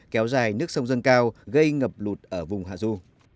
kéo dài nước sông dân cao gây ngập lụt ở vùng hạ ru